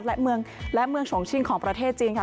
และเมืองสวงชิงของประเทศจีนค่ะ